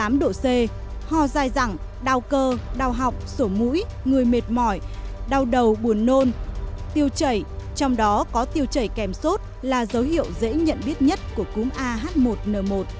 đa số trường hợp bệnh cúm có các dấu hiệu sốt cao trên ba mươi tám độ c ho dài rằng đau cơ đau học sổ mũi người mệt mỏi đau đầu buồn nôn tiêu chảy trong đó có tiêu chảy kèm sốt là dấu hiệu dễ nhận biết nhất của cúm ah một n một